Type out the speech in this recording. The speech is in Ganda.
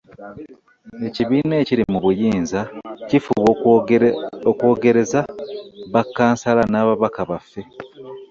Ekibiina ekiri mu buyinza kifuba okwogereza bakkansala n'ababaka baffe